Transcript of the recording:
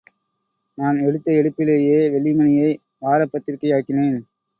நான் எடுத்த எடுப்பிலேயே வெள்ளிமணியை வாரப் பத்திரிக்கையாக்கினேன்.